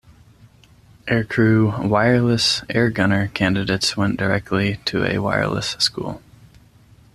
Aircrew "Wireless Air Gunner" candidates went directly to a Wireless School.